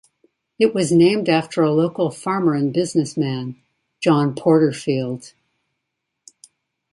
It was named after a local farmer and businessman, John Porterfield.